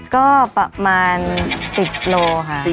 ก็ประมาณ๑๐โลค่ะ